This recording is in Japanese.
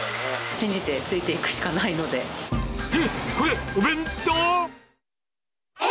信じてついていくしかないのえっ、これ、お弁当？